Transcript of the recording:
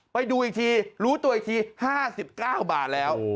ไปดูอีกทีรู้ตัวอีกที๕๙บาทแล้ว